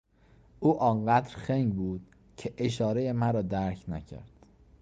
او آنقدر خنگ بود که اشارهی مرا درک نکرد.